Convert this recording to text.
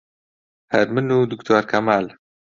هەر من و دکتۆر کەمال